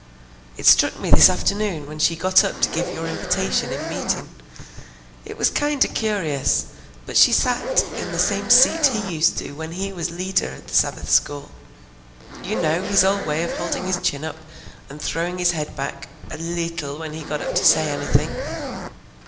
"It struck me this afternoon when she got up to give your invitation in meetin'. It was kind o' cur'ous, but she set in the same seat he used to when he was leader o' the Sabbath school. You know his old way of holdin' his chin up and throwin' his head back a leetle when he got up to say anything?